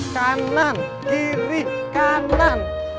kanan kiri kanan